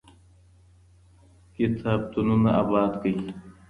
کتابتونونه آباد کړئ.